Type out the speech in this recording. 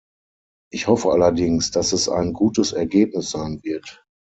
Ich hoffe allerdings, dass es ein gutes Ergebnis sein wird.